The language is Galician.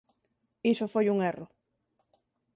Iso foi un erro.